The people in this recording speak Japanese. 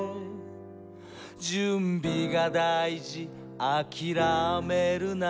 「準備がだいじあきらめるな」